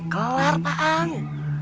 kelar pak ang